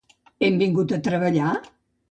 Hem vingut a treballar?